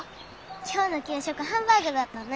今日の給食ハンバーグだったね。